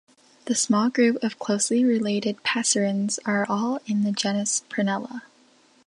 This small group of closely related passerines are all in the genus "Prunella".